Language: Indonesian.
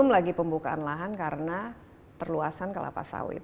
tapi pembukaan lahan karena perluasan kelapa sawit